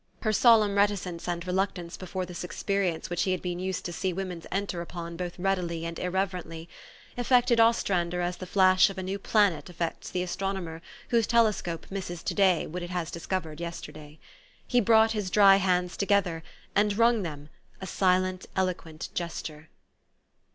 Her solemn reticence and reluctance before this experience which he had been used to see women enter upon both readily and irreverently, affected Ostrander as the flash of a new planet affects the astronomer whose telescope misses to day what it has discovered yesterday. He brought his dry hands together, and wrung them, a silent, elo quent gesture.